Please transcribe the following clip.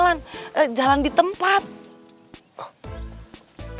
iya mama sempet telfon boi